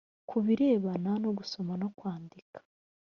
ku birebana no gusoma no kwandika